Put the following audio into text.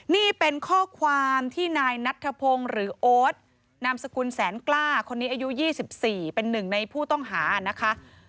นี่เป็นข้อความที่นายนัทธพงศ์หรือโอ๊ตนามสกุลแสนกล้าคนนี้อายุ๒๔เป็นหนึ่งในผู้ต้องหานะคะ